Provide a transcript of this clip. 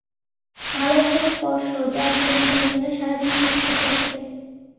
ভালবাসার স্পর্শ, যার জন্যে তরুণীরা সারা জীবন প্রতীক্ষা করে থাকে।